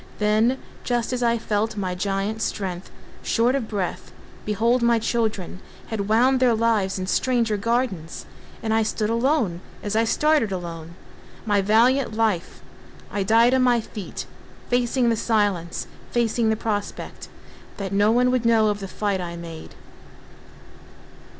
Then just as I felt my giant strength Short of breath, behold my children Had wound their lives in stranger gardens— And I stood alone, as I started alone My valiant life! I died on my feet, Facing the silence—facing the prospect That no one would know of the fight I made.